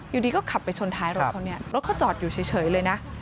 อยู่ดีก็ขับไปชนท้ายรถเขาเนี่ยรถเขาจอดอยู่เฉยเลยนะ